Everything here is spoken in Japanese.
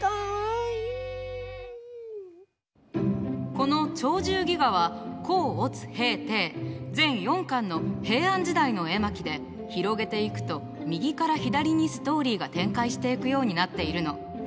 この「鳥獣戯画」は甲乙丙丁全４巻の平安時代の絵巻で広げていくと右から左にストーリーが展開していくようになっているの。